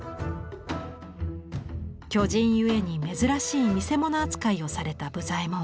巨人ゆえに珍しい見せ物扱いをされた武左衛門。